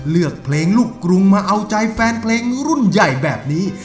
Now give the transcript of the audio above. เลือกเพลงลูกกรุงมาเอาใจแฟนเพลงรุ่นใหญ่แบบนี้